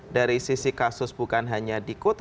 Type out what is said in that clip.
dari sisi kasus bukan hanya dikut